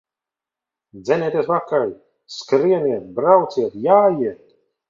Dzenieties pakaļ! Skrieniet, brauciet, jājiet!